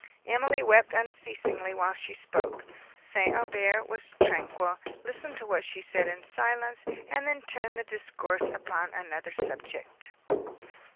Emily wept unceasingly while she spoke; St. Aubert was tranquil, listened to what she said in silence, and then turned the discourse upon another subject.